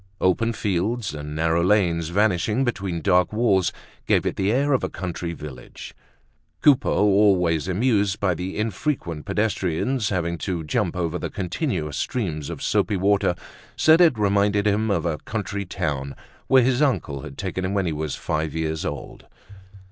Open fields and narrow lanes vanishing between dark walls gave it the air of a country village. Coupeau, always amused by the infrequent pedestrians having to jump over the continuous streams of soapy water, said it reminded him of a country town where his uncle had taken him when he was five years old.